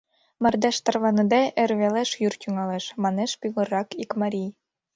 — Мардеж тарваныде эр велеш йӱр тӱҥалеш, — манеш пӱгыррак ик марий.